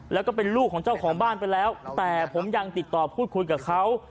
แล้วก็เป็นลูกของเจ้าของบ้านไปแล้วแต่ผมยังติดต่อพูดคุยกับเขา